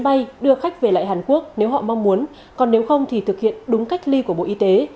bay đưa khách về lại hàn quốc nếu họ mong muốn còn nếu không thì thực hiện đúng cách ly của bộ y tế